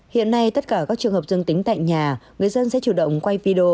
hiện nay tất cả các trường hợp dân tính tại nhà người dân sẽ chủ động quay video